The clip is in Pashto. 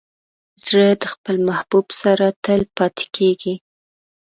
زړه د خپل محبوب سره تل پاتې کېږي.